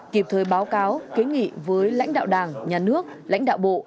kịp thời báo cáo kế nghị với lãnh đạo đảng nhà nước lãnh đạo bộ